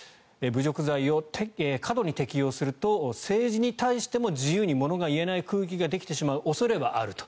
侮辱罪を過度に適用すると政治に対しても自由にものが言えない空気ができてしまう可能性があると。